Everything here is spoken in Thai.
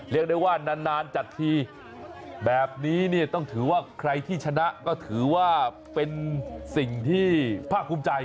เรียกได้ว่านานจัดทีแบบนี้เนี่ยต้องถือว่าใครที่ชนะก็ถือว่าเป็นสิ่งที่ภาคภูมิใจ